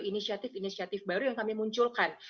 inisiatif inisiatif baru yang kami munculkan